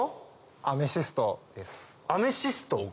アメシスト？